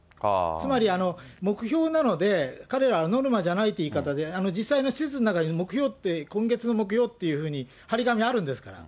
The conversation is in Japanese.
つまり目標なので、彼らはノルマじゃないという言い方で、実際の施設の中に、目標って、今月の目標っていうふうに貼り紙あるんですから。